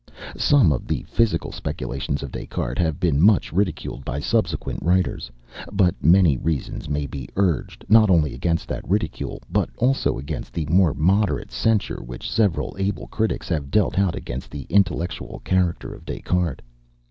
Some of the physical speculations of Des Cartes have been much ridiculed by subsequent writers; but many reasons may be urged, not only against that ridicule, but also against the more moderate censure which several able critics have dealt out against the intellectual character of Des Cartes.